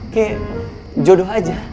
kayak jodoh aja